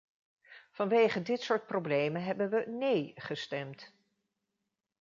Vanwege dit soort problemen hebben we "nee" gestemd.